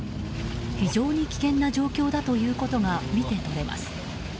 非常に危険な状況だということが見て取れます。